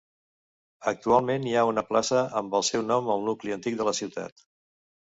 Actualment hi ha una plaça amb el seu nom al nucli antic de la ciutat.